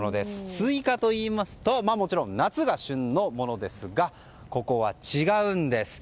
スイカと言いますともちろん夏が旬のものですがここは違うんです。